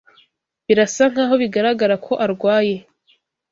Birasa nkaho bigaragara ko arwaye.